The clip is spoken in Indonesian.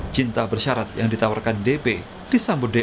cinta bersyarat yang ditawarkan dp disambut dr